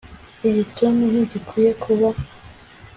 igituntu ntigikwiye kuba, "